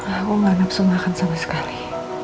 aku gak napsu makan sama sekali